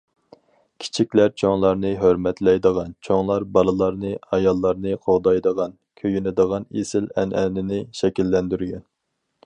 كىچىكلەر چوڭلارنى ھۆرمەتلەيدىغان، چوڭلار بالىلارنى، ئاياللارنى قوغدايدىغان، كۆيۈنىدىغان ئېسىل ئەنئەنىنى شەكىللەندۈرگەن.